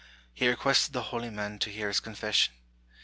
He requested the holy man to hear his confession.